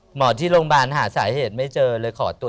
หมอที่โรงพยาบาลหาสาเหตุไม่เจอเลยขอตัว